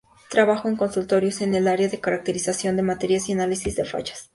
Trabajo de consultorías en el área de caracterización de materiales y análisis de fallas.